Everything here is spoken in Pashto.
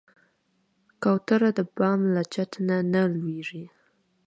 کوتره د بام له چت نه نه لوېږي.